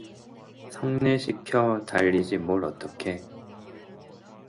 "성례시켜 달라지 뭘 어떡해."